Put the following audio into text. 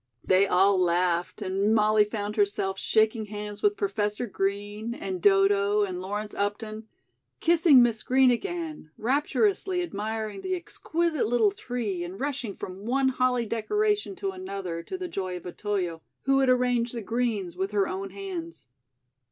They all laughed and Molly found herself shaking hands with Professor Green and Dodo and Lawrence Upton; kissing Miss Green again; rapturously admiring the exquisite little tree and rushing from one holly decoration to another, to the joy of Otoyo, who had arranged the greens with her own hands.